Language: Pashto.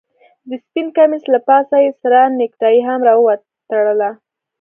د سپين کميس له پاسه يې سره نيكټايي هم راوتړله.